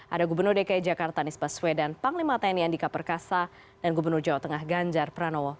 ada gubernur dki jakarta nisbah swedan panglima tni andika perkasa dan gubernur jawa tengah ganjar pranowo